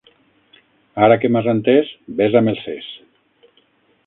Ara que m'has entés, besa'm el ses.